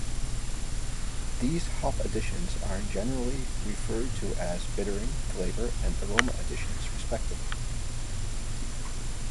These hop additions are generally referred to as bittering, flavor, and aroma additions respectively.